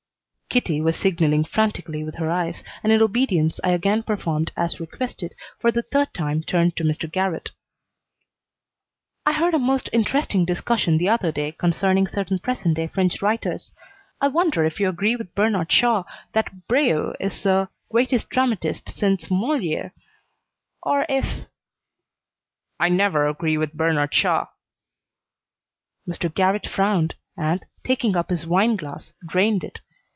Kitty was signaling frantically with her eyes, and in obedience I again performed as requested, for the third time turned to Mr. Garrott. "I heard a most interesting discussion the other day concerning certain present day French writers. I wonder if you agree with Bernard Shaw that Brieux is the greatest dramatist since Moliere, or if " "I never agree with Bernard Shaw." Mr. Garrott frowned, and, taking up his wine glass, drained it.